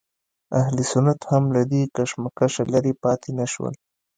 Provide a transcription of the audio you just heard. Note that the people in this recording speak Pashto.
اهل سنت هم له دې کشمکشه لرې پاتې نه شول.